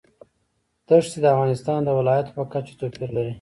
ښتې د افغانستان د ولایاتو په کچه توپیر لري.